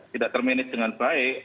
tidak terminis dengan baik